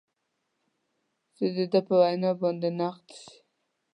چې د ده په وینا باید نقد شي.